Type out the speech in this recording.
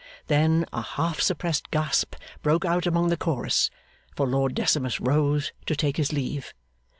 Then a half suppressed gasp broke out among the Chorus; for Lord Decimus rose to take his leave.